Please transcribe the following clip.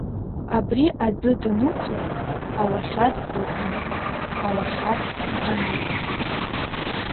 Абри адәы даннықәла, ауахьад ықәын, ауахьад дрыниеит.